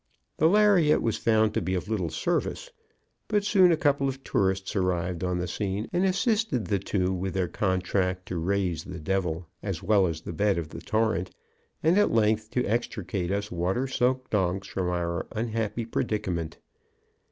The lariat was found to be of little service, but soon a couple of tourists arrived on the scene and assisted the two with their contract to raise the devil, as well as the bed of the torrent, and, at length, to extricate us water soaked donks from our unhappy predicament.